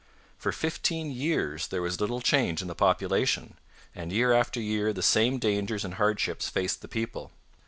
For fifteen years there was little change in the population, and year after year the same dangers and hardships faced the people.